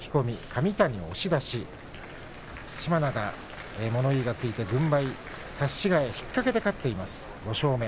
神谷が押し出し對馬洋、物言いがついて軍配差し違え引っかけで勝っています、５勝目。